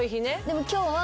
でも今日は。